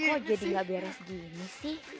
kok jadi gak beres gini sih